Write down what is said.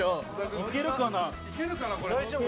行けるかな？